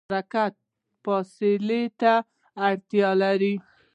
حرکت فاصلې ته اړتیا لري.